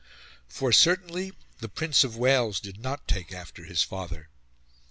For certainly the Prince of Wales did not take after his father.